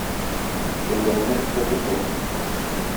Белгәнеңне эштә күрсәт.